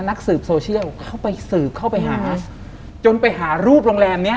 นักสืบโซเชียลเข้าไปสืบเข้าไปหาจนไปหารูปโรงแรมเนี้ย